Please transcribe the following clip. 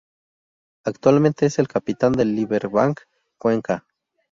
Actualmente es el capitán del Liberbank Cuenca.